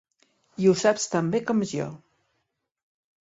I ho saps tan bé com jo.